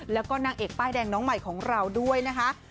แล้วก็นางเอกป้ายแดงน้องใหม่ของเราด้วยนะคะ